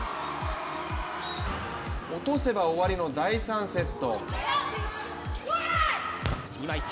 落とせば終わりの第３セット。